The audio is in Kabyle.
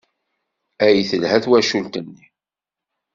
Ay telha twacult-nni!